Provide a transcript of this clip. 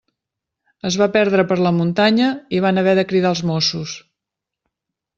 Es va perdre per la muntanya i van haver de cridar els Mossos.